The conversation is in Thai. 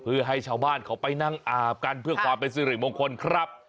เพื่อให้ชาวบ้านเขาไปนั่งอาบกันเพื่อความเป็นสิริมงคลครับ